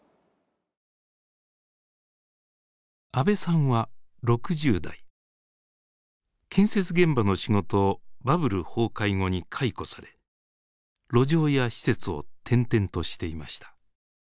阿部さんは６０代建設現場の仕事をバブル崩壊後に解雇され路上や施設を転々としていました。